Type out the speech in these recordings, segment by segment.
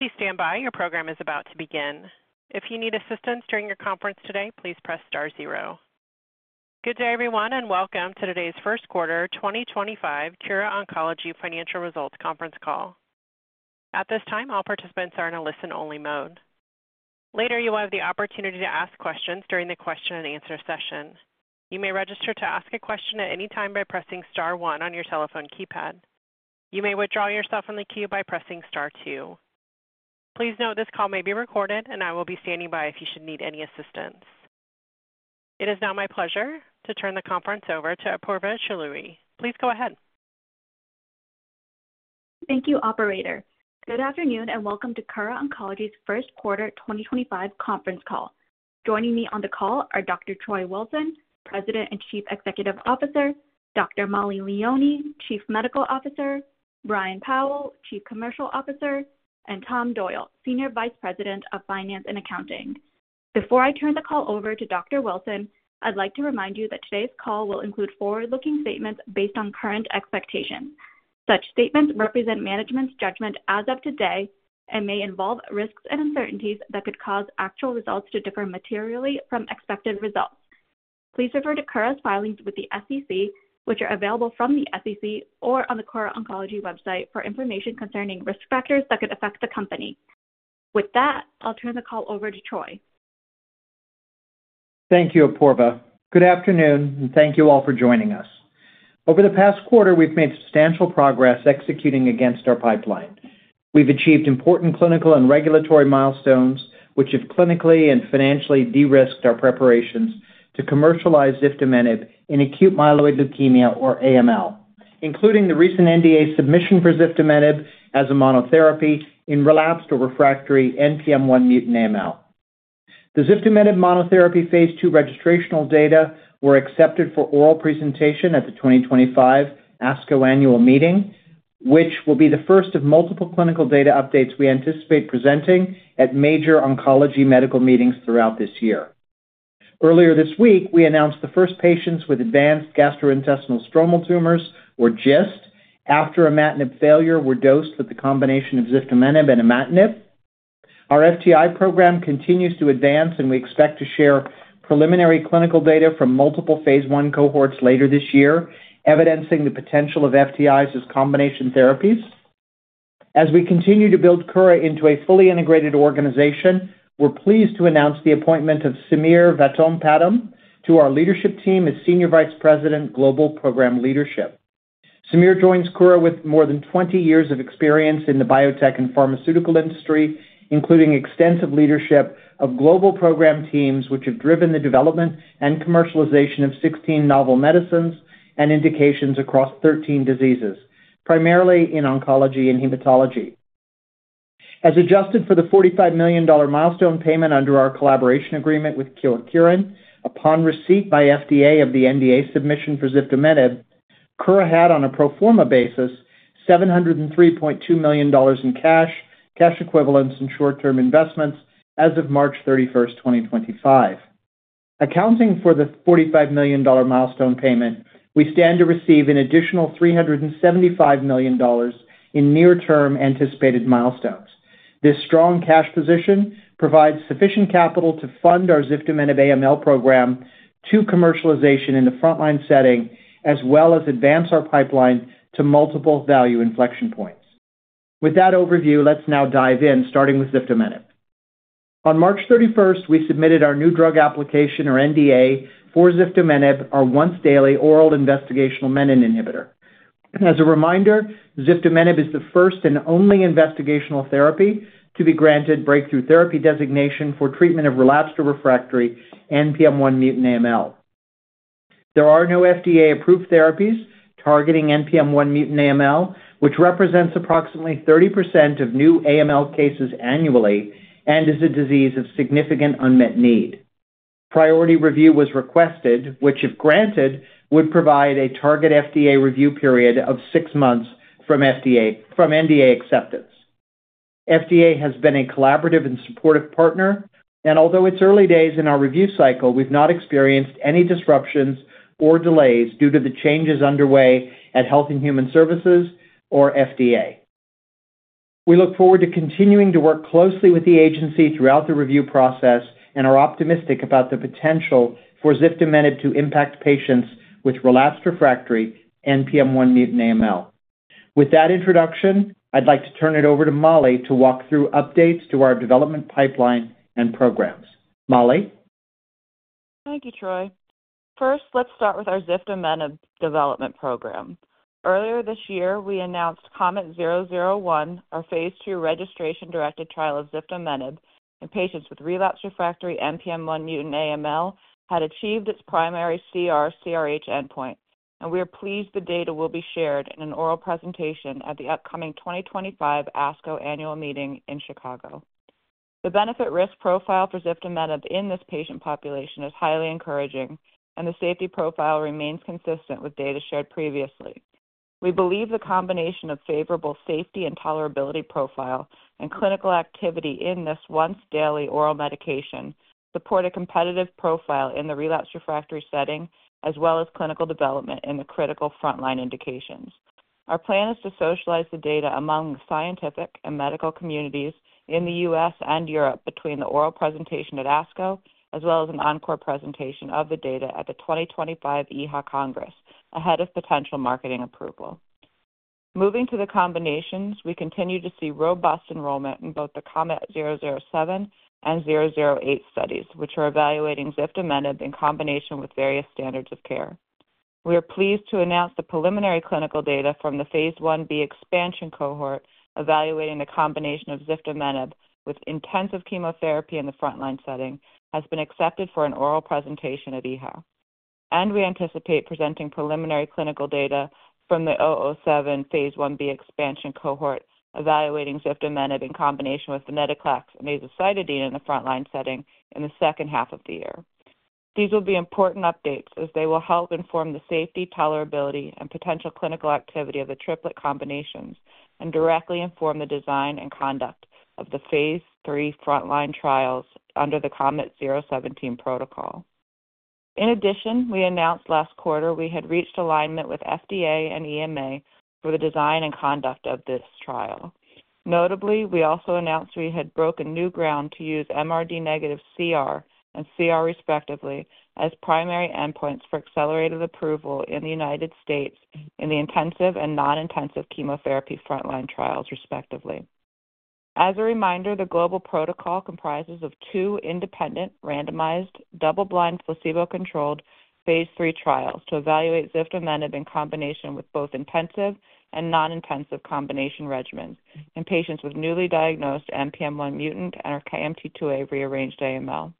Please stand by. Your program is about to begin. If you need assistance during your conference today, please press star zero. Good day, everyone, and welcome to today's First Quarter, 2025, Kura Oncology Financial Results Conference Call. At this time, all participants are in a listen-only mode. Later, you will have the opportunity to ask questions during the question-and-answer session. You may register to ask a question at any time by pressing star one on your telephone keypad. You may withdraw yourself from the queue by pressing star two. Please note this call may be recorded, and I will be standing by if you should need any assistance. It is now my pleasure to turn the conference over to Apoorva Chaloori. Please go ahead. Thank you, Operator. Good afternoon and welcome to Kura Oncology's First Quarter, 2025, Conference Call. Joining me on the call are Dr. Troy Wilson, President and Chief Executive Officer; Dr. Mollie Leoni, Chief Medical Officer; Brian Powl, Chief Commercial Officer; and Tom Doyle, Senior Vice President of Finance and Accounting. Before I turn the call over to Dr. Wilson, I'd like to remind you that today's call will include forward-looking statements based on current expectations. Such statements represent management's judgment as of today and may involve risks and uncertainties that could cause actual results to differ materially from expected results. Please refer to Kura's filings with the SEC, which are available from the SEC or on the Kura Oncology website for information concerning risk factors that could affect the company. With that, I'll turn the call over to Troy. Thank you, Apoorva. Good afternoon, and thank you all for joining us. Over the past quarter, we've made substantial progress executing against our pipeline. We've achieved important clinical and regulatory milestones, which have clinically and financially de-risked our preparations to commercialize ziftomenib in acute myeloid leukemia, or AML, including the recent NDA submission for ziftomenib as a monotherapy in relapsed or refractory NPM1-mutant AML. The ziftomenib monotherapy phase two registrational data were accepted for oral presentation at the 2025 ASCO Annual Meeting, which will be the first of multiple clinical data updates we anticipate presenting at major oncology medical meetings throughout this year. Earlier this week, we announced the first patients with advanced gastrointestinal stromal tumors, or GIST, after an imatinib failure were dosed with the combination of ziftomenib and imatinib. Our FTI program continues to advance, and we expect to share preliminary clinical data from multiple phase one cohorts later this year, evidencing the potential of FTIs as combination therapies. As we continue to build Kura into a fully integrated organization, we're pleased to announce the appointment of Samir Vattompadam to our leadership team as Senior Vice President, Global Program Leadership. Samir joins Kura with more than 20 years of experience in the biotech and pharmaceutical industry, including extensive leadership of global program teams, which have driven the development and commercialization of 16 novel medicines and indications across 13 diseases, primarily in oncology and hematology. As adjusted for the $45 million milestone payment under our collaboration agreement with Kyowa Kirin, upon receipt by FDA of the NDA submission for ziftomenib, Kura had, on a pro forma basis, $703.2 million in cash, cash equivalents, and short-term investments as of March 31, 2025. Accounting for the $45 million milestone payment, we stand to receive an additional $375 million in near-term anticipated milestones. This strong cash position provides sufficient capital to fund our ziftomenib AML program to commercialization in the frontline setting, as well as advance our pipeline to multiple value inflection points. With that overview, let's now dive in, starting with ziftomenib. On March 31, we submitted our new drug application, or NDA, for ziftomenib, our once-daily oral investigational menin inhibitor. As a reminder, ziftomenib is the first and only investigational therapy to be granted Breakthrough Therapy Designation for treatment of relapsed or refractory NPM1-mutant AML. There are no FDA-approved therapies targeting NPM1-mutant AML, which represents approximately 30% of new AML cases annually and is a disease of significant unmet need. Priority review was requested, which, if granted, would provide a target FDA review period of six months from NDA acceptance. FDA has been a collaborative and supportive partner, and although it's early days in our review cycle, we've not experienced any disruptions or delays due to the changes underway at Health and Human Services or FDA. We look forward to continuing to work closely with the agency throughout the review process and are optimistic about the potential for ziftomenib to impact patients with relapsed refractory NPM1-mutant AML. With that introduction, I'd like to turn it over to Mollie to walk through updates to our development pipeline and programs. Mollie. Thank you, Troy. First, let's start with our ziftomenib development program. Earlier this year, we announced KOMET-001, our phase two registration-directed trial of ziftomenib in patients with relapsed refractory NPM1-mutant AML, had achieved its primary CR/CRh endpoint, and we are pleased the data will be shared in an oral presentation at the upcoming 2025 ASCO Annual Meeting in Chicago. The benefit-risk profile for ziftomenib in this patient population is highly encouraging, and the safety profile remains consistent with data shared previously. We believe the combination of favorable safety and tolerability profile and clinical activity in this once-daily oral medication support a competitive profile in the relapsed refractory setting, as well as clinical development in the critical frontline indications. Our plan is to socialize the data among scientific and medical communities in the U.S. and Europe between the oral presentation at ASCO, as well as an encore presentation of the data at the 2025 EHA Congress, ahead of potential marketing approval. Moving to the combinations, we continue to see robust enrollment in both the KOMET-007 and KOMET-008 studies, which are evaluating ziftomenib in combination with various standards of care. We are pleased to announce the preliminary clinical data from the phase 1b expansion cohort evaluating the combination of ziftomenib with intensive chemotherapy in the frontline setting has been accepted for an oral presentation at EHA, and we anticipate presenting preliminary clinical data from the KOMET-007 phase 1b expansion cohort evaluating ziftomenib in combination with venetoclax and azacitidine in the frontline setting in the second half of the year. These will be important updates as they will help inform the safety, tolerability, and potential clinical activity of the triplet combinations and directly inform the design and conduct of the phase three frontline trials under the KOMET-017 protocol. In addition, we announced last quarter we had reached alignment with FDA and EMA for the design and conduct of this trial. Notably, we also announced we had broken new ground to use MRD-negative CR and CR, respectively, as primary endpoints for accelerated approval in the United States in the intensive and non-intensive chemotherapy frontline trials, respectively. As a reminder, the global protocol comprises two independent, randomized, double-blind, placebo-controlled phase three trials to evaluate ziftomenib in combination with both intensive and non-intensive combination regimens in patients with newly diagnosed NPM1-mutant and KMT2A-rearranged AML.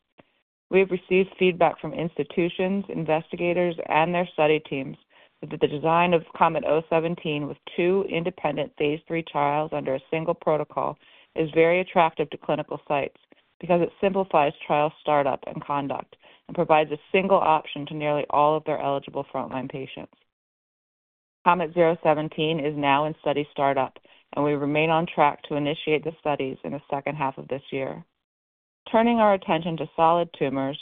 We have received feedback from institutions, investigators, and their study teams that the design of KOMET-017 with two independent phase three trials under a single protocol is very attractive to clinical sites because it simplifies trial startup and conduct and provides a single option to nearly all of their eligible frontline patients. KOMET-017 is now in study startup, and we remain on track to initiate the studies in the second half of this year. Turning our attention to solid tumors,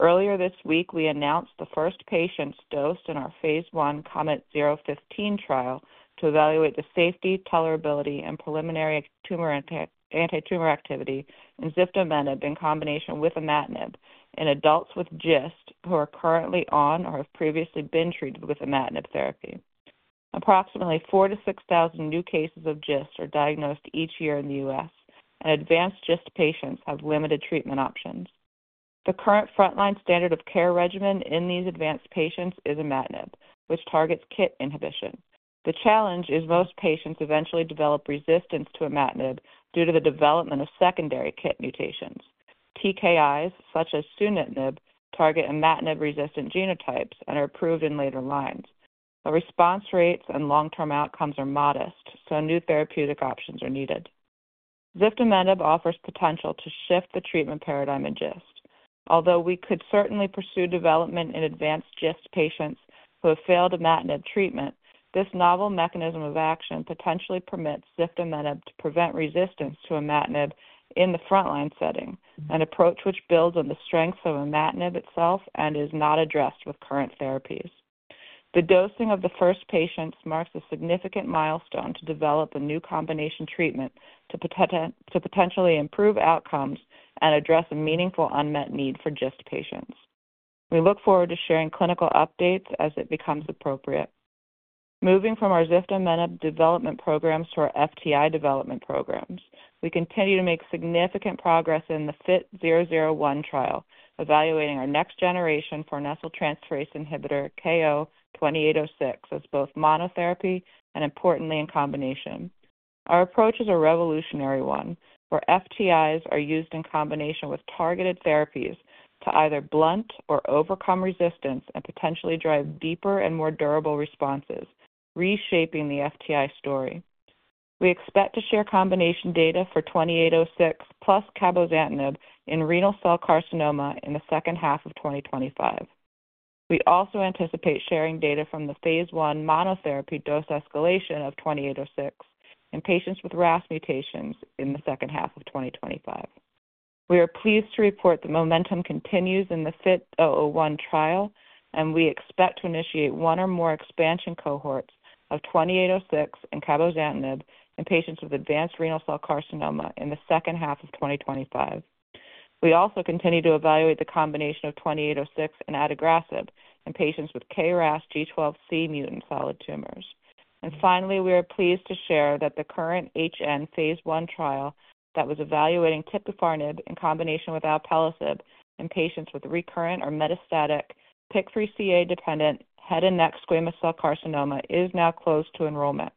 earlier this week, we announced the first patients dosed in our phase one KOMET-015 trial to evaluate the safety, tolerability, and preliminary tumor and anti-tumor activity in ziftomenib in combination with imatinib in adults with GIST who are currently on or have previously been treated with imatinib therapy. Approximately 4,000-6,000 new cases of GIST are diagnosed each year in the U.S., and advanced GIST patients have limited treatment options. The current frontline standard of care regimen in these advanced patients is imatinib, which targets KIT inhibition. The challenge is most patients eventually develop resistance to imatinib due to the development of secondary KIT mutations. TKIs such as sunitinib target an imatinib-resistant genotype and are approved in later lines. The response rates and long-term outcomes are modest, so new therapeutic options are needed. Ziftomenib offers potential to shift the treatment paradigm in GIST. Although we could certainly pursue development in advanced GIST patients who have failed imatinib treatment, this novel mechanism of action potentially permits ziftomenib to prevent resistance to imatinib in the frontline setting, an approach which builds on the strengths of imatinib itself and is not addressed with current therapies. The dosing of the first patients marks a significant milestone to develop a new combination treatment to potentially improve outcomes and address a meaningful unmet need for GIST patients. We look forward to sharing clinical updates as it becomes appropriate. Moving from our ziftomenib development programs to our FTI development programs, we continue to make significant progress in the FIT-001 trial, evaluating our next-generation farnesyl transferase inhibitor KO-2806 as both monotherapy and, importantly, in combination. Our approach is a revolutionary one, where FTIs are used in combination with targeted therapies to either blunt or overcome resistance and potentially drive deeper and more durable responses, reshaping the FTI story. We expect to share combination data for KO-2806 plus cabozantinib in renal cell carcinoma in the second half of 2025. We also anticipate sharing data from the phase one monotherapy dose escalation of KO-2806 in patients with RAS mutations in the second half of 2025. We are pleased to report the momentum continues in the FIT-001 trial, and we expect to initiate one or more expansion cohorts of KO-2806 and cabozantinib in patients with advanced renal cell carcinoma in the second half of 2025. We also continue to evaluate the combination of KO-2806 and adagrasib in patients with KRAS G12C mutant solid tumors. Finally, we are pleased to share that the current HN phase one trial that was evaluating tipifarnib in combination with alpelisib in patients with recurrent or metastatic PIK3CA-dependent head and neck squamous cell carcinoma is now close to enrollment.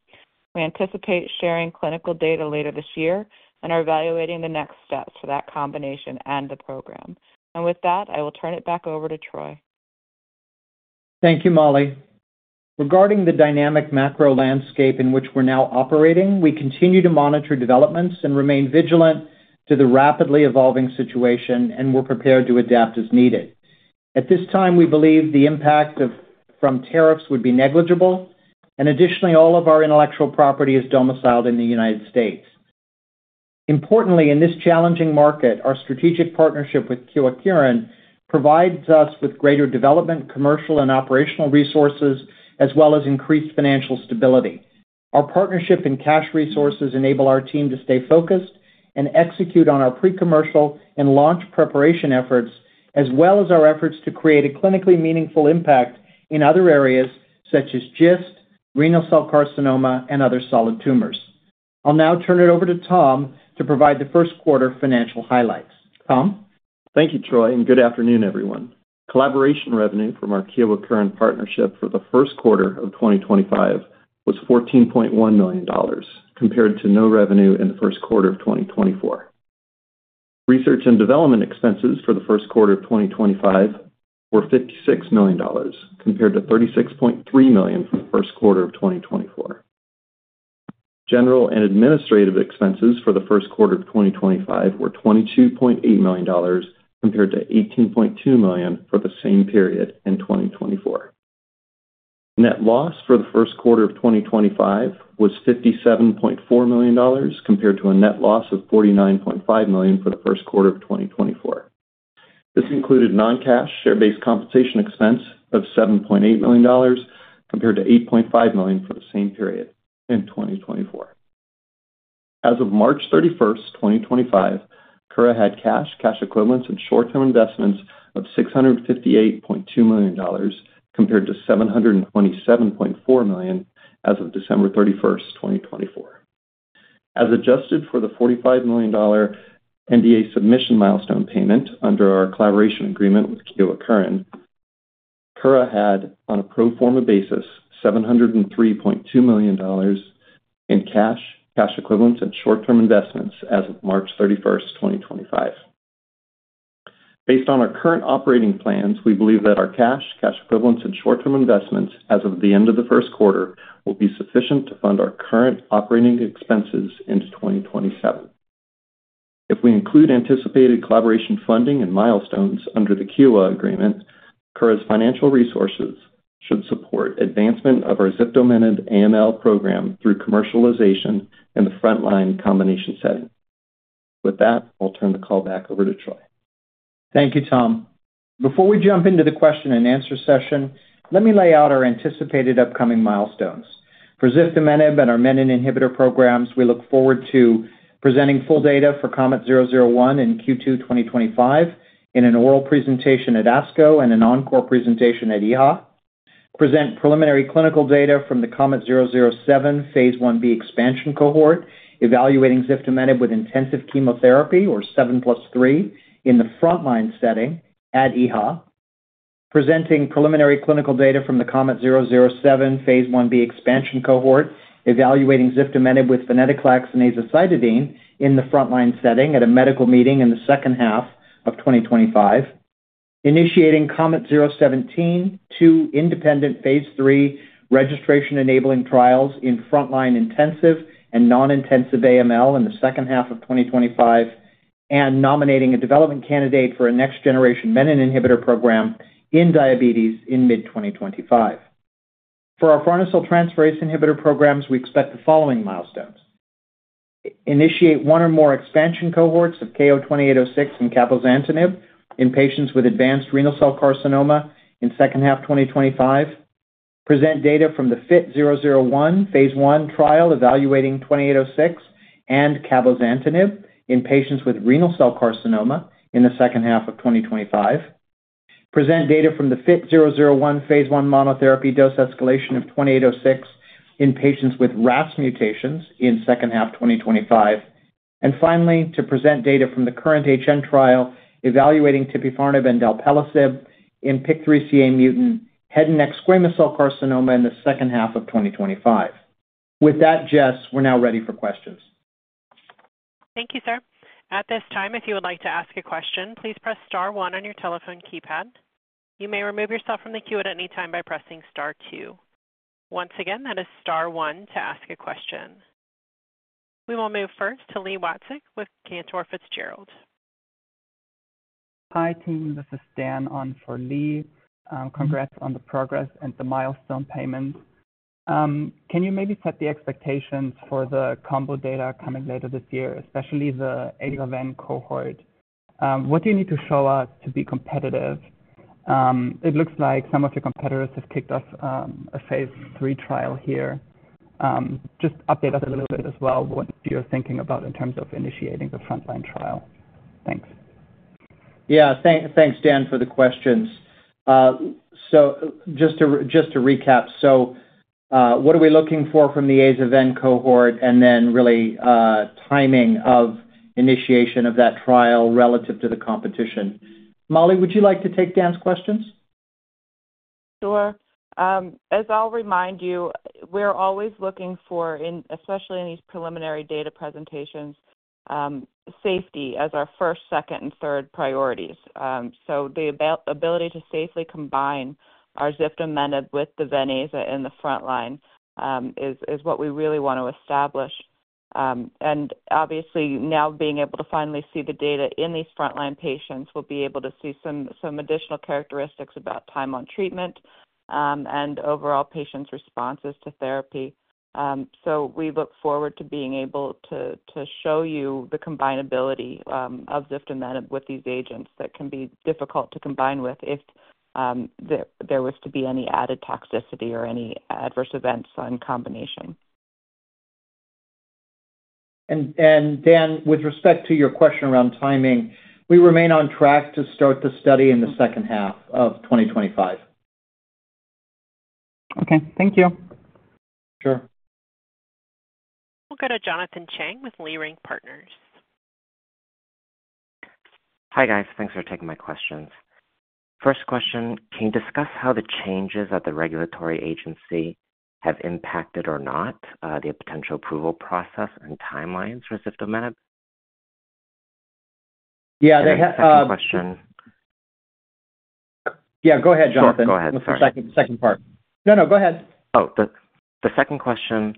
We anticipate sharing clinical data later this year and are evaluating the next steps for that combination and the program. With that, I will turn it back over to Troy. Thank you, Mollie. Regarding the dynamic macro landscape in which we're now operating, we continue to monitor developments and remain vigilant to the rapidly evolving situation, and we're prepared to adapt as needed. At this time, we believe the impact from tariffs would be negligible, and additionally, all of our intellectual property is domiciled in the United States. Importantly, in this challenging market, our strategic partnership with Kyowa Kirin provides us with greater development, commercial and operational resources, as well as increased financial stability. Our partnership and cash resources enable our team to stay focused and execute on our pre-commercial and launch preparation efforts, as well as our efforts to create a clinically meaningful impact in other areas such as GIST, renal cell carcinoma, and other solid tumors. I'll now turn it over to Tom to provide the first quarter financial highlights. Tom? Thank you, Troy, and good afternoon, everyone. Collaboration revenue from our Kyowa Kirin partnership for the first quarter of 2025 was $14.1 million, compared to no revenue in the first quarter of 2024. Research and development expenses for the first quarter of 2025 were $56 million, compared to $36.3 million for the first quarter of 2024. General and administrative expenses for the first quarter of 2025 were $22.8 million, compared to $18.2 million for the same period in 2024. Net loss for the first quarter of 2025 was $57.4 million, compared to a net loss of $49.5 million for the first quarter of 2024. This included non-cash share-based compensation expense of $7.8 million, compared to $8.5 million for the same period in 2024. As of March 31, 2025, Kura Oncology had cash, cash equivalents, and short-term investments of $658.2 million, compared to $727.4 million as of December 31, 2024. As adjusted for the $45 million NDA submission milestone payment under our collaboration agreement with Kyowa Kirin, Kura had, on a pro forma basis, $703.2 million in cash, cash equivalents, and short-term investments as of March 31, 2025. Based on our current operating plans, we believe that our cash, cash equivalents, and short-term investments as of the end of the first quarter will be sufficient to fund our current operating expenses into 2027. If we include anticipated collaboration funding and milestones under the Kyowa agreement, Kura's financial resources should support advancement of our ziftomenib AML program through commercialization in the frontline combination setting. With that, I'll turn the call back over to Troy. Thank you, Tom. Before we jump into the question and answer session, let me lay out our anticipated upcoming milestones. For ziftomenib and our menin inhibitor programs, we look forward to presenting full data for KOMET-001 in Q2 2025 in an oral presentation at ASCO and an encore presentation at EHA, present preliminary clinical data from the KOMET-007 phase 1b expansion cohort evaluating ziftomenib with intensive chemotherapy, or 7+3, in the frontline setting at EHA, presenting preliminary clinical data from the KOMET-007 phase 1b expansion cohort evaluating ziftomenib with venetoclax and azacitidine in the frontline setting at a medical meeting in the second half of 2025, initiating KOMET-017, two independent phase 3 registration-enabling trials in frontline intensive and non-intensive AML in the second half of 2025, and nominating a development candidate for a next-generation menin inhibitor program in diabetes in mid-2025. For our farnesyl transferase inhibitor programs, we expect the following milestones: initiate one or more expansion cohorts of KO-2806 and cabozantinib in patients with advanced renal cell carcinoma in the second half of 2025, present data from the FIT-001 phase one trial evaluating KO-2806 and cabozantinib in patients with renal cell carcinoma in the second half of 2025, present data from the FIT-001 phase one monotherapy dose escalation of KO-2806 in patients with RAS mutations in the second half of 2025, and finally, to present data from the current HN trial evaluating tipifarnib and alpelisib in PIK3CA mutant head and neck squamous cell carcinoma in the second half of 2025. With that, Jess, we're now ready for questions. Thank you, sir. At this time, if you would like to ask a question, please press star one on your telephone keypad. You may remove yourself from the queue at any time by pressing star two. Once again, that is star one to ask a question. We will move first to Li Watsek with Cantor Fitzgerald. Hi, team. This is Dan on for Li. Congrats on the progress and the milestone payments. Can you maybe set the expectations for the combo data coming later this year, especially the A's of N cohort? What do you need to show us to be competitive? It looks like some of your competitors have kicked off a phase three trial here. Just update us a little bit as well. What you're thinking about in terms of initiating the frontline trial. Thanks. Yeah, thanks, Dan, for the questions. Just to recap, what are we looking for from the A's of N cohort and then really timing of initiation of that trial relative to the competition? Mollie, would you like to take Dan's questions? Sure. As I'll remind you, we're always looking for, especially in these preliminary data presentations, safety as our first, second, and third priorities. The ability to safely combine our ziftomenib with the venetoclax in the frontline is what we really want to establish. Obviously, now being able to finally see the data in these frontline patients, we'll be able to see some additional characteristics about time on treatment and overall patients' responses to therapy. We look forward to being able to show you the combineability of ziftomenib with these agents that can be difficult to combine with if there was to be any added toxicity or any adverse events on combination. Dan, with respect to your question around timing, we remain on track to start the study in the second half of 2025. Okay. Thank you. Sure. We'll go to Jonathan Chang with Leerink Partners. Hi guys. Thanks for taking my questions. First question, can you discuss how the changes at the regulatory agency have impacted or not the potential approval process and timelines for ziftomenib? Yeah, they. The second question. Yeah, go ahead, Jonathan. Sure, go ahead. The second part. No, no, go ahead. Oh, the second question,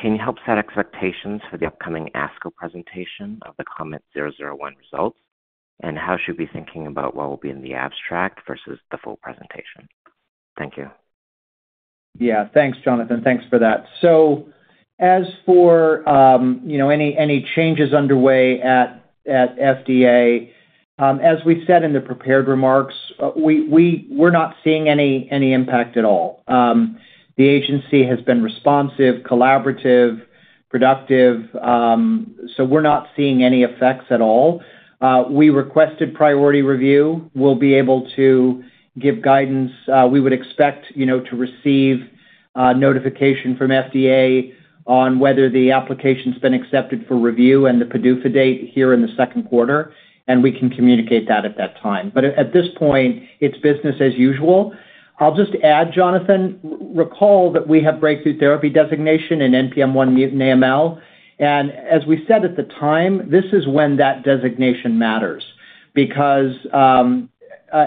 can you help set expectations for the upcoming ASCO presentation of the KOMET-001 results? How should we be thinking about what will be in the abstract versus the full presentation? Thank you. Yeah, thanks, Jonathan. Thanks for that. As for any changes underway at FDA, as we said in the prepared remarks, we're not seeing any impact at all. The agency has been responsive, collaborative, productive. We're not seeing any effects at all. We requested priority review. We'll be able to give guidance. We would expect to receive notification from FDA on whether the application's been accepted for review and the PDUFA date here in the second quarter, and we can communicate that at that time. At this point, it's business as usual. I'll just add, Jonathan, recall that we have breakthrough therapy designation in NPM1-mutant AML. As we said at the time, this is when that designation matters because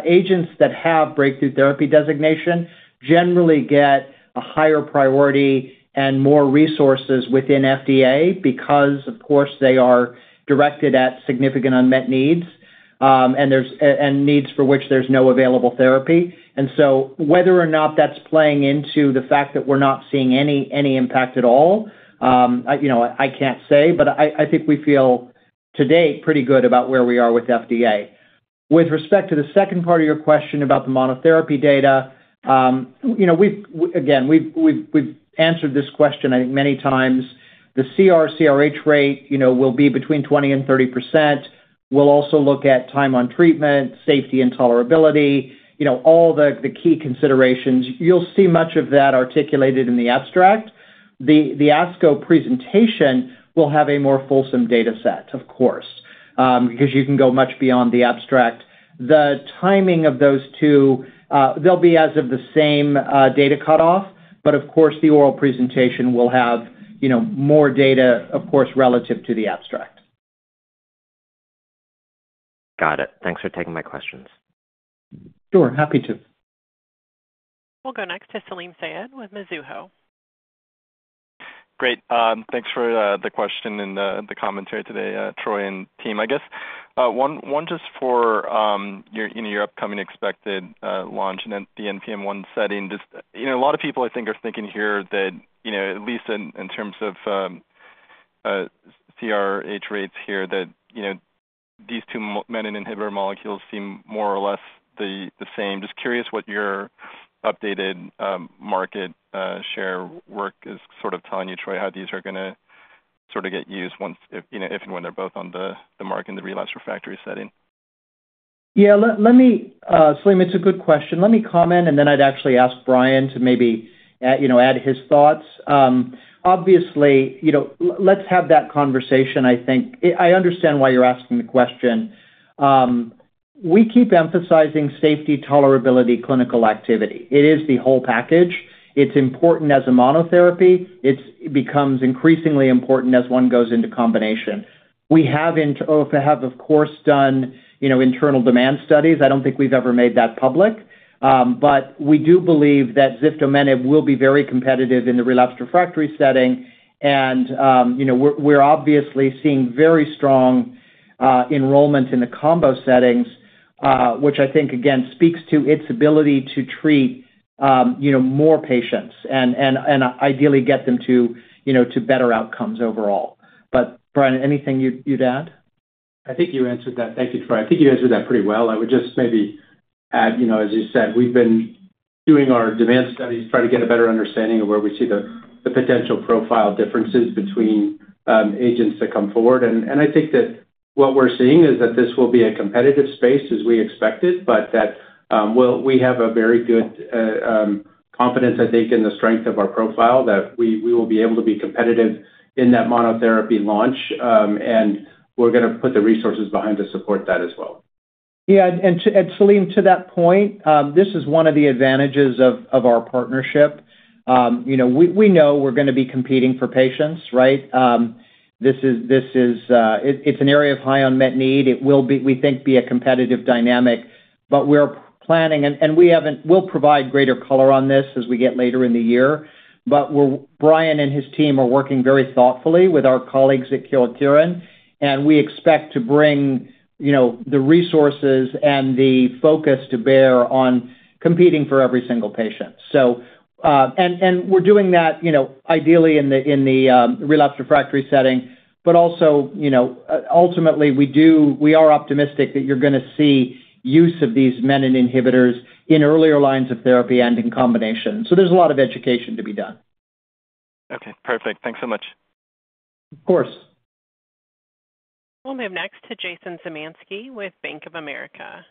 agents that have breakthrough therapy designation generally get a higher priority and more resources within FDA because, of course, they are directed at significant unmet needs and needs for which there's no available therapy. Whether or not that's playing into the fact that we're not seeing any impact at all, I can't say, but I think we feel today pretty good about where we are with FDA. With respect to the second part of your question about the monotherapy data, again, we've answered this question I think many times. The CR/CRh rate will be between 20-30%. We'll also look at time on treatment, safety, and tolerability, all the key considerations. You'll see much of that articulated in the abstract. The ASCO presentation will have a more fulsome data set, of course, because you can go much beyond the abstract. The timing of those two, they'll be as of the same data cutoff, but of course, the oral presentation will have more data, of course, relative to the abstract. Got it. Thanks for taking my questions. Sure. Happy to. We'll go next to Salim Syed with Mizuho. Great. Thanks for the question and the commentary today, Troy and team. I guess one just for your upcoming expected launch in the NPM1 setting. A lot of people, I think, are thinking here that at least in terms of CR/CRh rates here, that these two menin inhibitor molecules seem more or less the same. Just curious what your updated market share work is sort of telling you, Troy, how these are going to sort of get used if and when they're both on the market in the relapsed/refractory setting. Yeah, Salim, it's a good question. Let me comment, and then I'd actually ask Brian to maybe add his thoughts. Obviously, let's have that conversation, I think. I understand why you're asking the question. We keep emphasizing safety, tolerability, clinical activity. It is the whole package. It's important as a monotherapy. It becomes increasingly important as one goes into combination. We have, of course, done internal demand studies. I don't think we've ever made that public, but we do believe that ziftomenib will be very competitive in the relapsed/refractory setting. We're obviously seeing very strong enrollment in the combo settings, which I think, again, speaks to its ability to treat more patients and ideally get them to better outcomes overall. Brian, anything you'd add? I think you answered that. Thank you, Troy. I think you answered that pretty well. I would just maybe add, as you said, we've been doing our demand studies, trying to get a better understanding of where we see the potential profile differences between agents that come forward. I think that what we're seeing is that this will be a competitive space as we expect it, but that we have very good confidence, I think, in the strength of our profile that we will be able to be competitive in that monotherapy launch, and we're going to put the resources behind to support that as well. Yeah. Salim, to that point, this is one of the advantages of our partnership. We know we're going to be competing for patients, right? It's an area of high unmet need. It will, we think, be a competitive dynamic, but we're planning, and we'll provide greater color on this as we get later in the year. Brian and his team are working very thoughtfully with our colleagues at Kyowa Kirin, and we expect to bring the resources and the focus to bear on competing for every single patient. We're doing that ideally in the relapsed/refractory setting, but also ultimately, we are optimistic that you're going to see use of these menin inhibitors in earlier lines of therapy and in combination. There is a lot of education to be done. Okay. Perfect. Thanks so much. Of course. We'll move next to Jason Zemansky with Bank of America.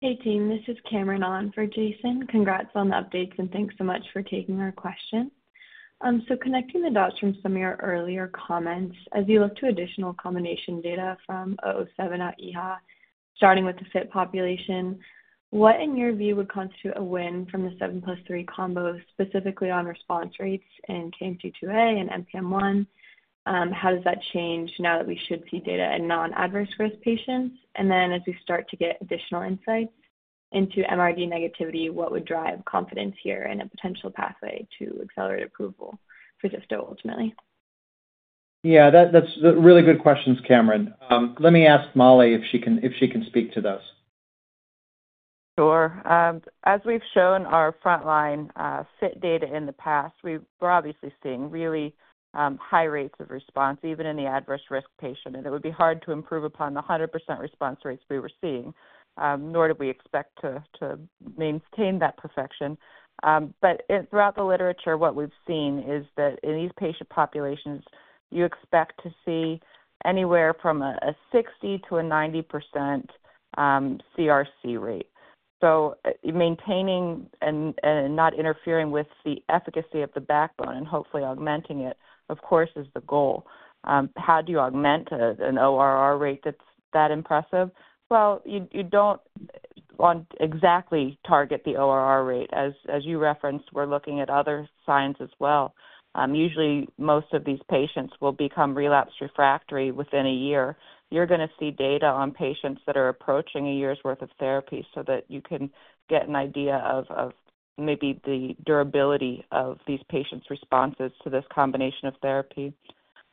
Hey, team. This is Cameron on for Jason. Congrats on the updates, and thanks so much for taking our question. Connecting the dots from some of your earlier comments, as you look to additional combination data from 007 at EHA, starting with the FIT population, what, in your view, would constitute a win from the 7+3 combo, specifically on response rates in KMT2A and NPM1? How does that change now that we should see data in non-adverse risk patients? As we start to get additional insights into MRD negativity, what would drive confidence here and a potential pathway to accelerate approval for zifto ultimately? Yeah, that's really good questions, Cameron. Let me ask Mollie if she can speak to those. Sure. As we've shown our frontline FIT data in the past, we're obviously seeing really high rates of response, even in the adverse risk patient. It would be hard to improve upon the 100% response rates we were seeing, nor did we expect to maintain that perfection. Throughout the literature, what we've seen is that in these patient populations, you expect to see anywhere from a 60-90% CRc rate. Maintaining and not interfering with the efficacy of the backbone and hopefully augmenting it, of course, is the goal. How do you augment an ORR rate that's that impressive? You don't exactly target the ORR rate. As you referenced, we're looking at other signs as well. Usually, most of these patients will become relapse refractory within a year. You're going to see data on patients that are approaching a year's worth of therapy so that you can get an idea of maybe the durability of these patients' responses to this combination of therapy.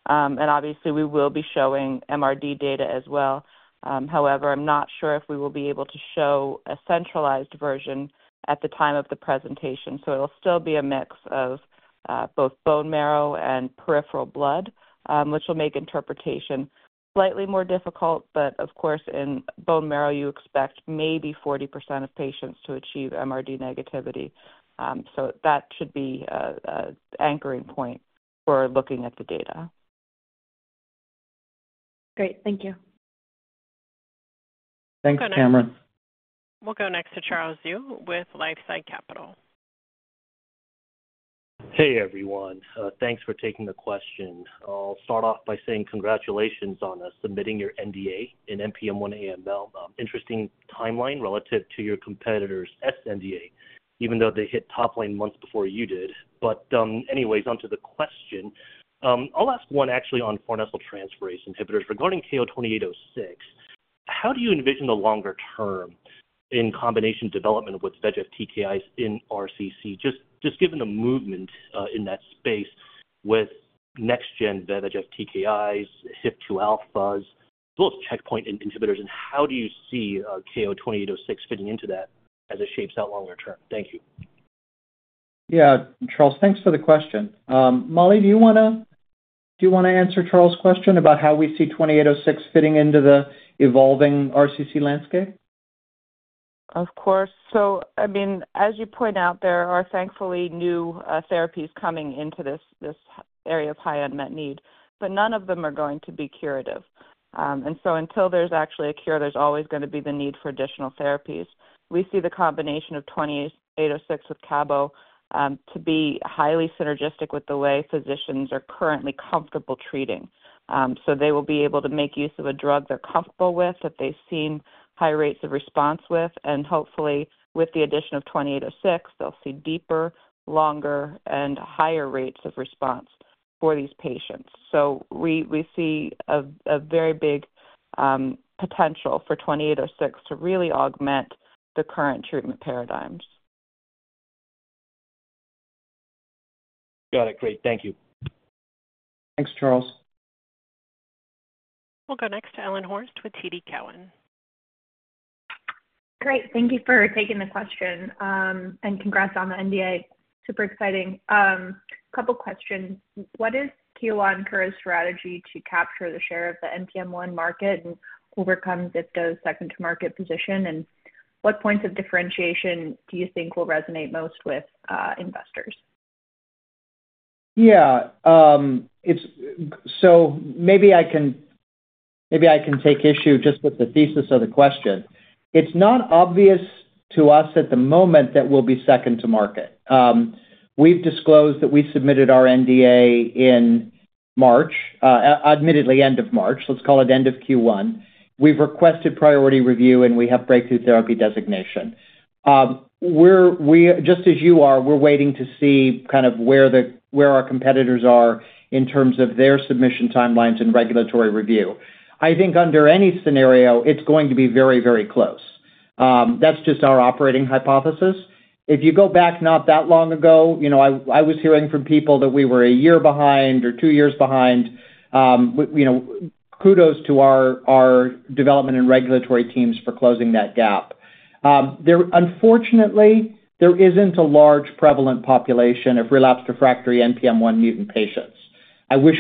Obviously, we will be showing MRD data as well. However, I'm not sure if we will be able to show a centralized version at the time of the presentation. It'll still be a mix of both bone marrow and peripheral blood, which will make interpretation slightly more difficult. Of course, in bone marrow, you expect maybe 40% of patients to achieve MRD negativity. That should be an anchoring point for looking at the data. Great. Thank you. Thanks, Cameron. We'll go next to Charles Zhu with LifeSci Capital. Hey, everyone. Thanks for taking the question. I'll start off by saying congratulations on submitting your NDA in NPM1 AML. Interesting timeline relative to your competitor's sNDA, even though they hit top line months before you did. Anyways, onto the question. I'll ask one actually on farnesyl transferase inhibitors regarding KO-2806. How do you envision the longer term in combination development with VEGF TKIs in RCC? Just given the movement in that space with next-gen VEGF TKIs, HIF2 alphas, as well as checkpoint inhibitors, and how do you see KO-2806 fitting into that as it shapes out longer term? Thank you. Yeah, Charles, thanks for the question. Mollie, do you want to answer Charles' question about how we see 2806 fitting into the evolving RCC landscape? Of course. I mean, as you point out, there are thankfully new therapies coming into this area of high unmet need, but none of them are going to be curative. Until there is actually a cure, there is always going to be the need for additional therapies. We see the combination of 2806 with cabo to be highly synergistic with the way physicians are currently comfortable treating. They will be able to make use of a drug they are comfortable with, that they have seen high rates of response with. Hopefully, with the addition of 2806, they will see deeper, longer, and higher rates of response for these patients. We see a very big potential for 2806 to really augment the current treatment paradigms. Got it. Great. Thank you. Thanks, Charles. We'll go next to Ellen Horste with TD Cowen. Great. Thank you for taking the question. Congrats on the NDA. Super exciting. A couple of questions. What is Kura Oncology's strategy to capture the share of the NPM1 market and overcome ziftomenib's second-to-market position? What points of differentiation do you think will resonate most with investors? Yeah. Maybe I can take issue just with the thesis of the question. It's not obvious to us at the moment that we'll be second-to-market. We've disclosed that we submitted our NDA in March, admittedly end of March. Let's call it end of Q1. We've requested priority review, and we have breakthrough therapy designation. Just as you are, we're waiting to see kind of where our competitors are in terms of their submission timelines and regulatory review. I think under any scenario, it's going to be very, very close. That's just our operating hypothesis. If you go back not that long ago, I was hearing from people that we were a year behind or two years behind. Kudos to our development and regulatory teams for closing that gap. Unfortunately, there isn't a large prevalent population of relapse refractory NPM1 mutant patients.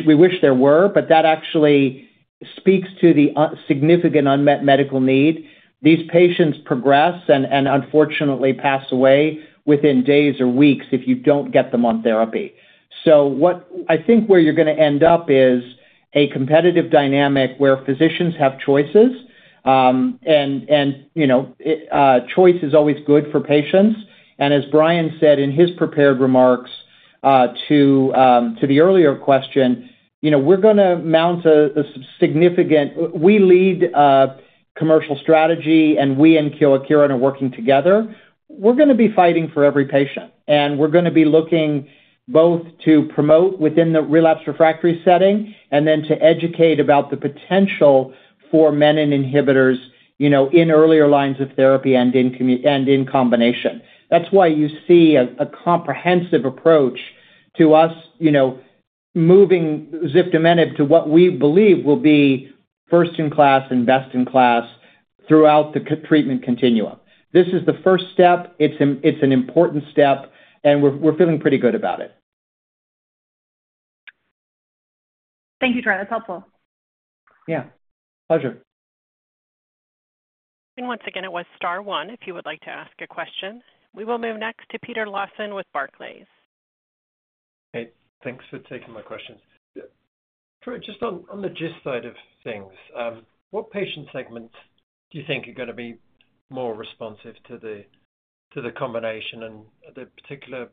We wish there were, but that actually speaks to the significant unmet medical need. These patients progress and unfortunately pass away within days or weeks if you do not get them on therapy. I think where you are going to end up is a competitive dynamic where physicians have choices, and choice is always good for patients. As Brian said in his prepared remarks to the earlier question, we are going to mount a significant, we lead commercial strategy, and we and Kyowa Kirin are working together. We are going to be fighting for every patient, and we are going to be looking both to promote within the relapsed refractory setting and then to educate about the potential for menin inhibitors in earlier lines of therapy and in combination. That's why you see a comprehensive approach to us moving ziftomenib to what we believe will be first-in-class and best-in-class throughout the treatment continuum. This is the first step. It's an important step, and we're feeling pretty good about it. Thank you, Troy. That's helpful. Yeah. Pleasure. Once again, it was Star One if you would like to ask a question. We will move next to Peter Lawson with Barclays. Hey, thanks for taking my questions. Troy, just on the GIST side of things, what patient segments do you think are going to be more responsive to the combination and the particular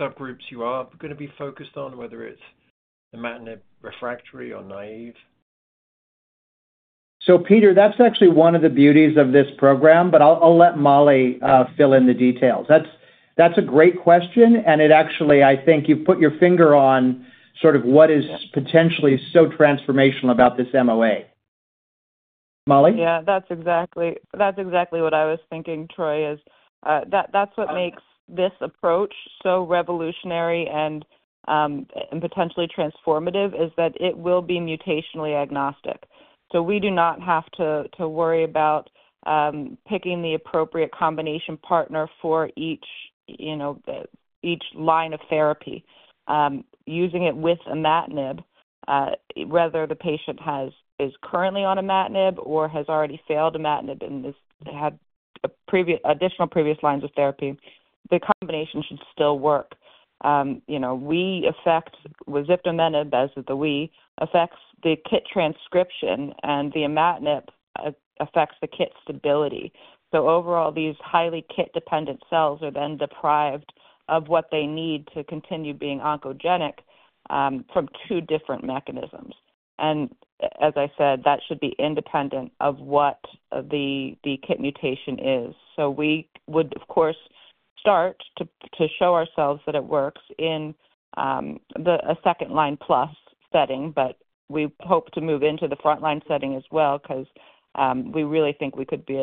subgroups you are going to be focused on, whether it's the imatinib refractory or naive? Peter, that's actually one of the beauties of this program, but I'll let Mollie fill in the details. That's a great question, and it actually, I think you've put your finger on sort of what is potentially so transformational about this MOA. Mollie? Yeah, that's exactly what I was thinking, Troy, is that's what makes this approach so revolutionary and potentially transformative is that it will be mutationally agnostic. We do not have to worry about picking the appropriate combination partner for each line of therapy, using it with imatinib, whether the patient is currently on imatinib or has already failed imatinib and has had additional previous lines of therapy. The combination should still work. With ziftomenib, as with the way it affects the KIT transcription, and the imatinib affects the KIT stability. Overall, these highly KIT-dependent cells are then deprived of what they need to continue being oncogenic from two different mechanisms. As I said, that should be independent of what the KIT mutation is. We would, of course, start to show ourselves that it works in a second-line plus setting, but we hope to move into the frontline setting as well because we really think we could be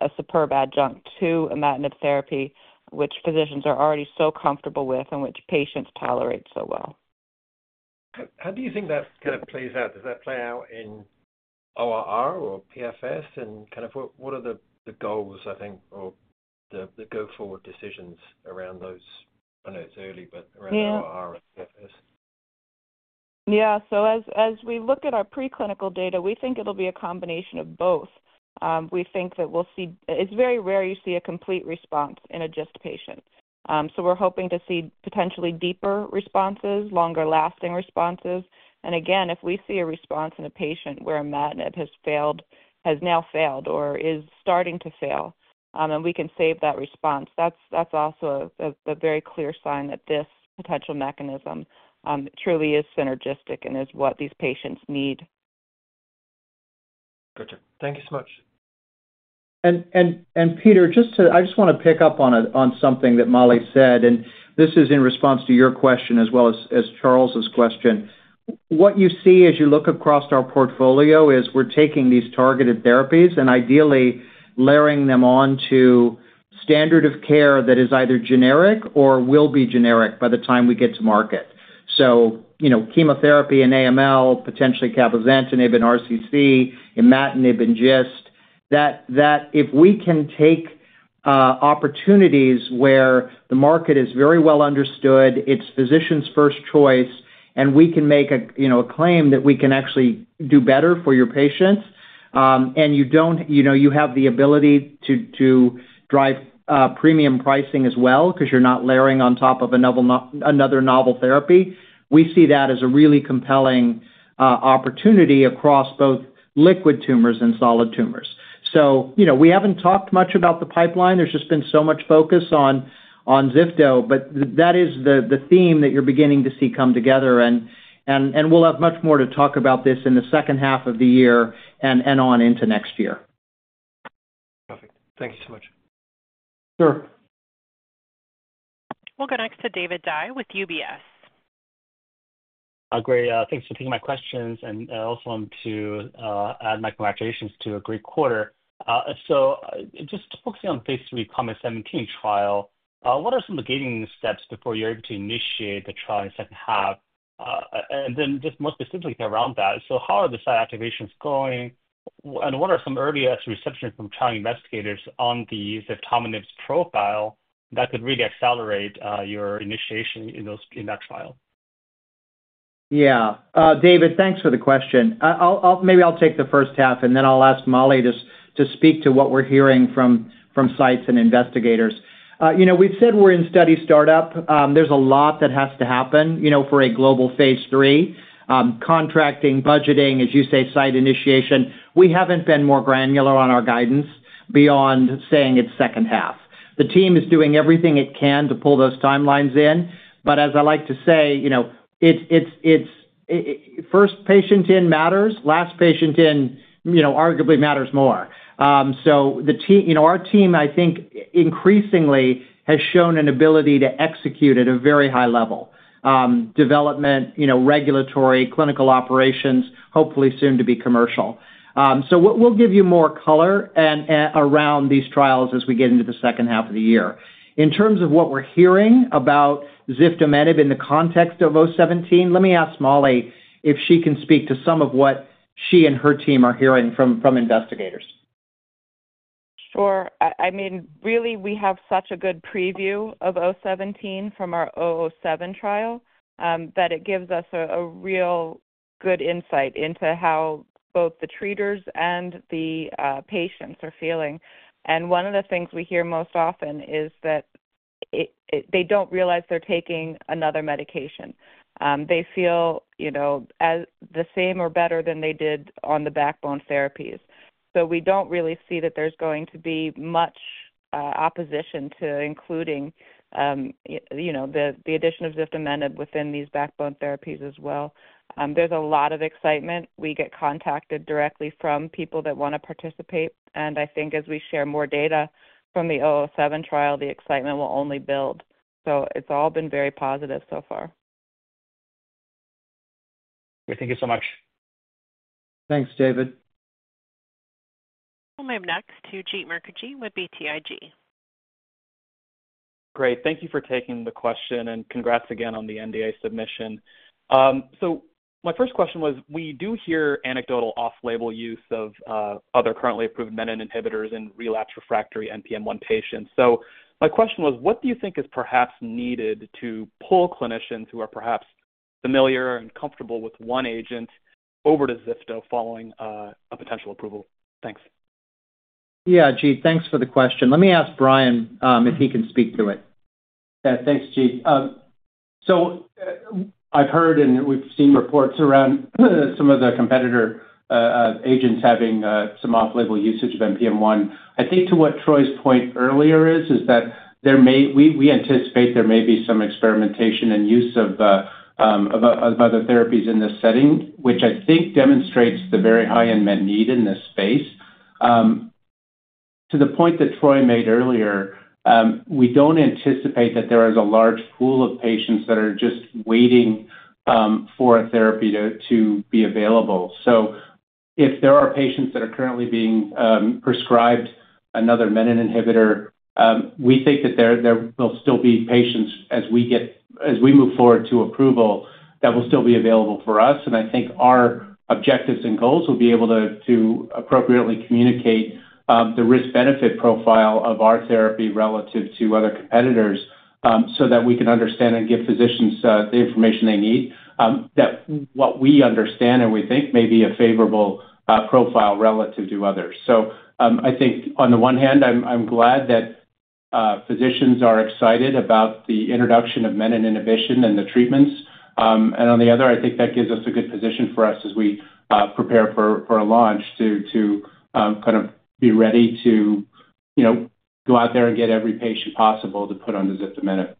a superb adjunct to imatinib therapy, which physicians are already so comfortable with and which patients tolerate so well. How do you think that kind of plays out? Does that play out in ORR or PFS? What are the goals, I think, or the go-forward decisions around those? I know it's early, but around ORR and PFS? Yeah. As we look at our preclinical data, we think it'll be a combination of both. We think that we'll see it's very rare you see a complete response in a GIST patient. We're hoping to see potentially deeper responses, longer-lasting responses. Again, if we see a response in a patient where imatinib has now failed or is starting to fail and we can save that response, that's also a very clear sign that this potential mechanism truly is synergistic and is what these patients need. Gotcha. Thank you so much. Peter, I just want to pick up on something that Mollie said, and this is in response to your question as well as Charles' question. What you see as you look across our portfolio is we're taking these targeted therapies and ideally layering them onto standard of care that is either generic or will be generic by the time we get to market. Chemotherapy in AML, potentially cabozantinib in RCC, imatinib in GIST, that if we can take opportunities where the market is very well understood, it's physicians' first choice, and we can make a claim that we can actually do better for your patients, and you have the ability to drive premium pricing as well because you're not layering on top of another novel therapy, we see that as a really compelling opportunity across both liquid tumors and solid tumors. We have not talked much about the pipeline. There has just been so much focus on zifto, but that is the theme that you are beginning to see come together. We will have much more to talk about this in the second half of the year and on into next year. Perfect. Thank you so much. Sure. We'll go next to David Daiwith UBS. Great. Thanks for taking my questions. I also want to add my congratulations to a great quarter. Just focusing on phase three, KOMET-017 trial, what are some of the gating steps before you're able to initiate the trial in the second half? More specifically around that, how are the site activations going? What are some early receptions from trial investigators on the ziftomenib's profile that could really accelerate your initiation in that trial? Yeah. David, thanks for the question. Maybe I'll take the first half, and then I'll ask Mollie to speak to what we're hearing from sites and investigators. We've said we're in study startup. There's a lot that has to happen for a global phase three, contracting, budgeting, as you say, site initiation. We haven't been more granular on our guidance beyond saying it's second half. The team is doing everything it can to pull those timelines in. As I like to say, first patient in matters. Last patient in arguably matters more. Our team, I think, increasingly has shown an ability to execute at a very high level: development, regulatory, clinical operations, hopefully soon to be commercial. We'll give you more color around these trials as we get into the second half of the year. In terms of what we're hearing about ziftomenib in the context of O17, let me ask Mollie if she can speak to some of what she and her team are hearing from investigators. Sure. I mean, really, we have such a good preview of 017 from our 007 trial that it gives us a real good insight into how both the treaters and the patients are feeling. One of the things we hear most often is that they don't realize they're taking another medication. They feel the same or better than they did on the backbone therapies. We don't really see that there's going to be much opposition to including the addition of ziftomenib within these backbone therapies as well. There's a lot of excitement. We get contacted directly from people that want to participate. I think as we share more data from the 007 trial, the excitement will only build. It's all been very positive so far. Great. Thank you so much. Thanks, David. We'll move next to Jeet Mukherjee with BTIG. Great. Thank you for taking the question, and congrats again on the NDA submission. My first question was, we do hear anecdotal off-label use of other currently approved menin inhibitors in relapsed refractory NPM1 patients. My question was, what do you think is perhaps needed to pull clinicians who are perhaps familiar and comfortable with one agent over to zifto following a potential approval? Thanks. Yeah, Jeet, thanks for the question. Let me ask Brian if he can speak to it. Yeah. Thanks, Jeet. I've heard and we've seen reports around some of the competitor agents having some off-label usage of NPM1. I think to what Troy's point earlier is, is that we anticipate there may be some experimentation and use of other therapies in this setting, which I think demonstrates the very high unmet need in this space. To the point that Troy made earlier, we don't anticipate that there is a large pool of patients that are just waiting for a therapy to be available. If there are patients that are currently being prescribed another menin inhibitor, we think that there will still be patients as we move forward to approval that will still be available for us. I think our objectives and goals will be able to appropriately communicate the risk-benefit profile of our therapy relative to other competitors so that we can understand and give physicians the information they need that what we understand and we think may be a favorable profile relative to others. I am glad that physicians are excited about the introduction of menin inhibition and the treatments. On the other hand, I think that gives us a good position for us as we prepare for a launch to kind of be ready to go out there and get every patient possible to put on the ziftomenib.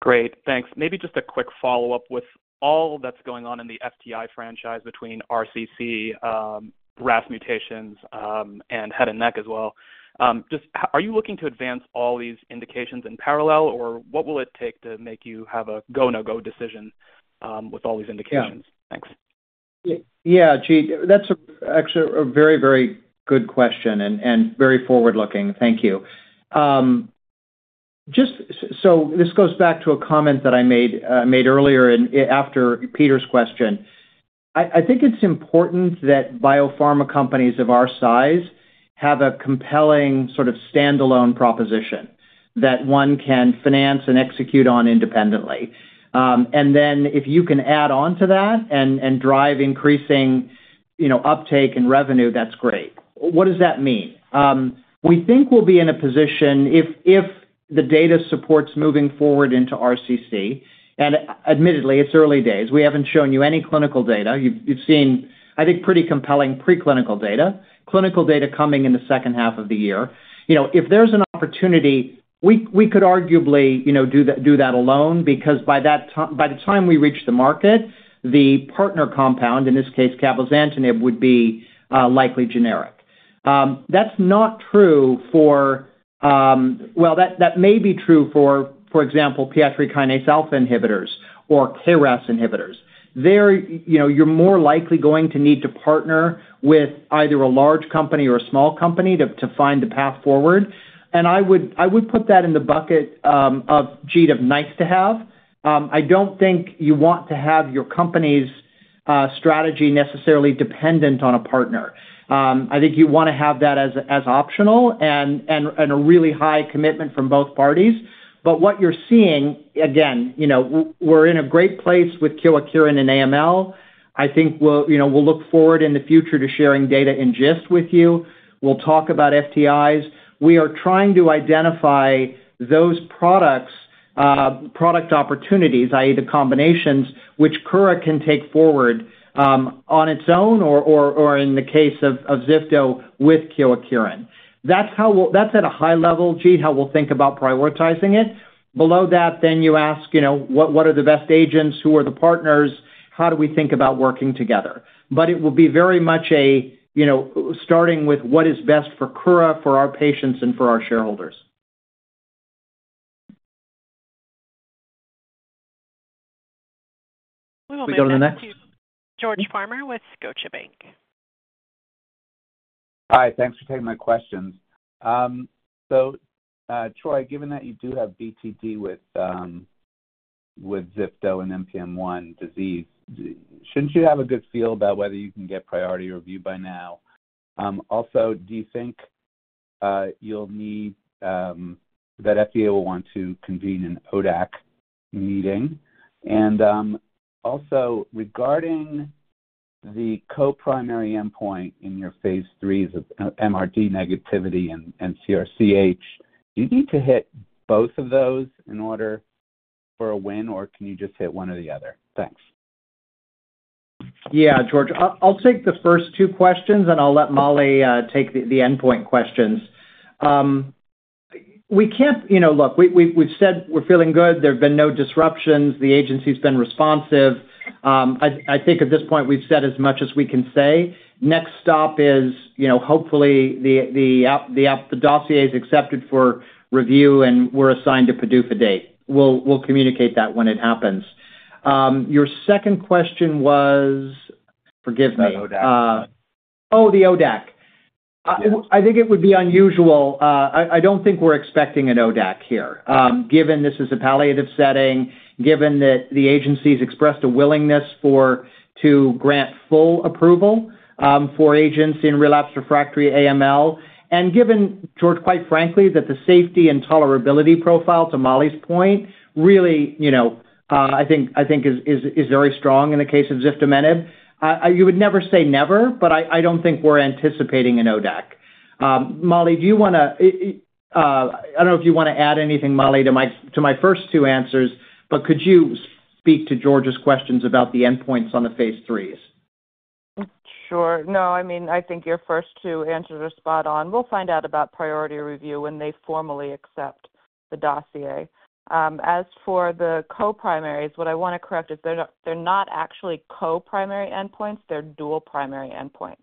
Great. Thanks. Maybe just a quick follow-up with all that's going on in the FTI franchise between RCC, RAS mutations, and head and neck as well. Just are you looking to advance all these indications in parallel, or what will it take to make you have a go, no-go decision with all these indications? Yeah. Thanks. Yeah, Jeet, that's actually a very, very good question and very forward-looking. Thank you. This goes back to a comment that I made earlier after Peter's question. I think it's important that biopharma companies of our size have a compelling sort of standalone proposition that one can finance and execute on independently. If you can add on to that and drive increasing uptake and revenue, that's great. What does that mean? We think we'll be in a position if the data supports moving forward into RCC. Admittedly, it's early days. We haven't shown you any clinical data. You've seen, I think, pretty compelling preclinical data, clinical data coming in the second half of the year. If there's an opportunity, we could arguably do that alone because by the time we reach the market, the partner compound, in this case, cabozantinib, would be likely generic. That's not true for, that may be true for, for example, PI3 kinase alpha inhibitors or KRAS inhibitors. There, you're more likely going to need to partner with either a large company or a small company to find the path forward. I would put that in the bucket of, Jeet, of nice to have. I don't think you want to have your company's strategy necessarily dependent on a partner. I think you want to have that as optional and a really high commitment from both parties. What you're seeing, again, we're in a great place with Kyowa Kirin and AML. I think we'll look forward in the future to sharing data in GIST with you. We'll talk about FTIs. We are trying to identify those product opportunities, i.e., the combinations, which Kura can take forward on its own or in the case of zifto with Kyowa Kirin. That's at a high level, Jeet, how we'll think about prioritizing it. Below that, you ask, what are the best agents? Who are the partners? How do we think about working together? It will be very much starting with what is best for Kura, for our patients, and for our shareholders. We will be looking to George Farmer with Scotiabank. Hi. Thanks for taking my questions. Troy, given that you do have BTD with zifto and NPM1 disease, shouldn't you have a good feel about whether you can get priority review by now? Also, do you think you'll need that FDA will want to convene an ODAC meeting? Also, regarding the co-primary endpoint in your phase threes of MRD negativity and CR/CH, do you need to hit both of those in order for a win, or can you just hit one or the other? Thanks. Yeah, George. I'll take the first two questions, and I'll let Mollie take the endpoint questions. We can't look. We've said we're feeling good. There've been no disruptions. The agency's been responsive. I think at this point, we've said as much as we can say. Next stop is hopefully the dossier's accepted for review, and we're assigned a PDUFA date. We'll communicate that when it happens. Your second question was, forgive me. Oh, ODAC. Oh, the ODAC. I think it would be unusual. I don't think we're expecting an ODAC here, given this is a palliative setting, given that the agency's expressed a willingness to grant full approval for agents in relapsed refractory AML, and given, George, quite frankly, that the safety and tolerability profile, to Mollie's point, really, I think is very strong in the case of ziftomenib. You would never say never, but I don't think we're anticipating an ODAC. Mollie, do you want to—I don't know if you want to add anything, Mollie, to my first two answers, but could you speak to George's questions about the endpoints on the phase threes? Sure. No, I mean, I think your first two answers are spot on. We'll find out about priority review when they formally accept the dossier. As for the co-primaries, what I want to correct is they're not actually co-primary endpoints. They're dual primary endpoints.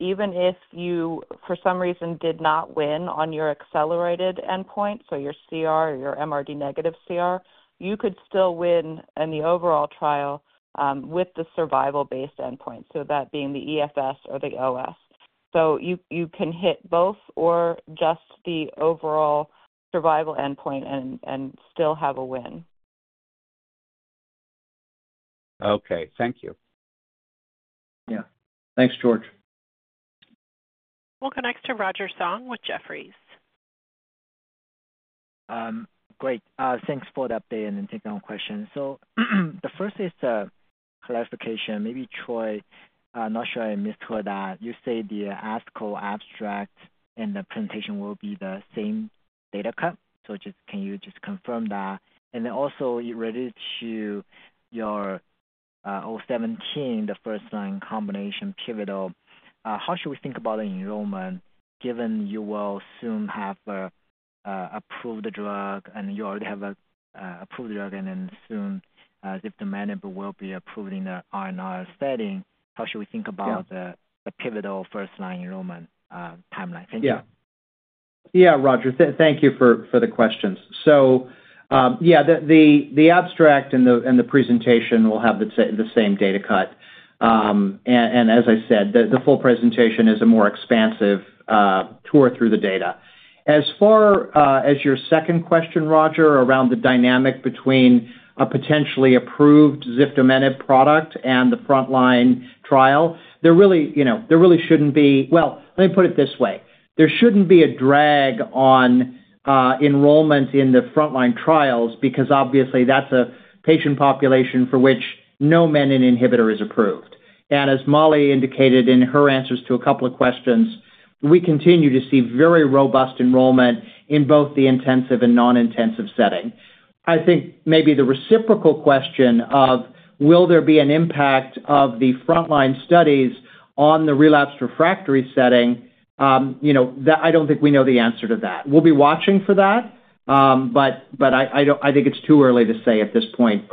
Even if you, for some reason, did not win on your accelerated endpoint, so your CR or your MRD-negative CR, you could still win in the overall trial with the survival-based endpoint, that being the EFS or the OS. You can hit both or just the overall survival endpoint and still have a win. Okay. Thank you. Yeah. Thanks, George. We'll go next to Roger Song with Jefferies. Great. Thanks for the update and the technical questions. The first is a clarification. Maybe Troy, I'm not sure I missed that. You said the ASCO abstract and the presentation will be the same data cut. Can you just confirm that? It also relates to your 017, the first-line combination pivotal. How should we think about the enrollment given you will soon have approved the drug, and you already have approved the drug, and then soon ziftomenib will be approved in the RNR setting? How should we think about the pivotal first-line enrollment timeline? Thank you. Yeah. Yeah, Roger. Thank you for the questions. Yeah, the abstract and the presentation will have the same data cut. As I said, the full presentation is a more expansive tour through the data. As far as your second question, Roger, around the dynamic between a potentially approved ziftomenib product and the frontline trial, there really should not be—let me put it this way. There should not be a drag on enrollment in the frontline trials because obviously that is a patient population for which no menin inhibitor is approved. As Mollie indicated in her answers to a couple of questions, we continue to see very robust enrollment in both the intensive and non-intensive setting. I think maybe the reciprocal question of, will there be an impact of the frontline studies on the relapsed refractory setting, I do not think we know the answer to that. We'll be watching for that, but I think it's too early to say at this point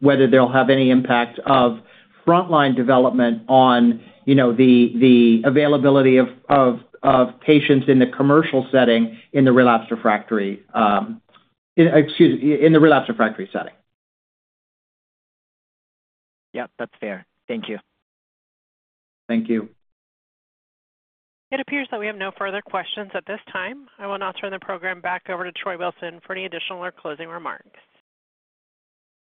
whether there'll have any impact of frontline development on the availability of patients in the commercial setting in the relapse refractory, excuse me, in the relapse refractory setting. Yep. That's fair. Thank you. Thank you. It appears that we have no further questions at this time. I will now turn the program back over to Troy Wilson for any additional or closing remarks.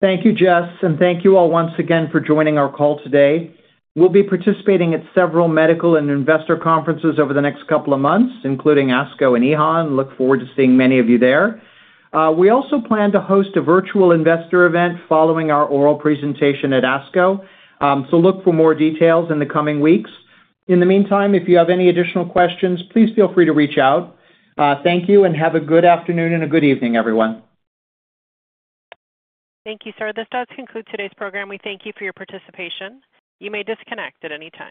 Thank you, Jess. Thank you all once again for joining our call today. We'll be participating at several medical and investor conferences over the next couple of months, including ASCO and EHA. Look forward to seeing many of you there. We also plan to host a virtual investor event following our oral presentation at ASCO. Look for more details in the coming weeks. In the meantime, if you have any additional questions, please feel free to reach out. Thank you, and have a good afternoon and a good evening, everyone. Thank you, sir. This does conclude today's program. We thank you for your participation. You may disconnect at any time.